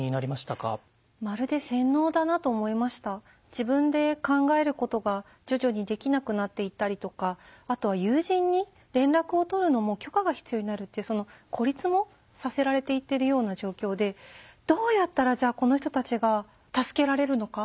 自分で考えることが徐々にできなくなっていったりとかあとは友人に連絡を取るのも許可が必要になるって孤立もさせられていってるような状況でどうやったらじゃあこの人たちが助けられるのか？